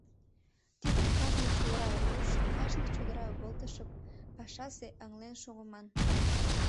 Тидым кажне чодыра руышо, кажне чодыра волтышо пашазе ыҥлен шогыман.